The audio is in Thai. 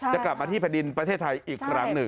จะกลับมาที่แผ่นดินประเทศไทยอีกครั้งหนึ่ง